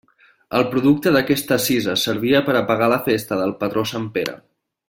El producte d'aquesta cisa servia per a pagar la festa del patró sant Pere.